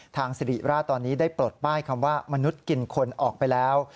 ทางสิริราชตอนนี้ได้ปลดป้ายคำว่ามนุษย์กินคนออกไปแล้ว